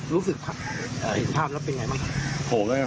รู้สึกภาพภาพรับเป็นไงบ้าง